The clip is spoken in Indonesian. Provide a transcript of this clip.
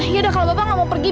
yaudah kalau bapak gak mau pergi